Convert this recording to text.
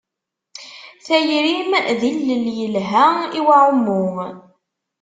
Tayrim d ilel yelha i uɛumu.